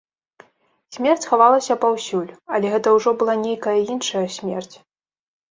Смерць хавалася паўсюль, але гэта ўжо была нейкая іншая смерць.